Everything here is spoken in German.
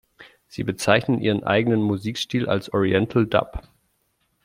Sie bezeichnen ihren eigenen Musikstil als „Oriental Dub“.